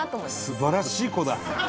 素晴らしい子だ！